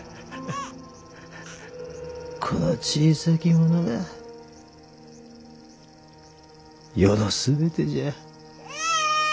この小さき者が余の全てじゃ。